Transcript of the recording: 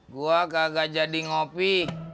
gue kagak jadi ngopi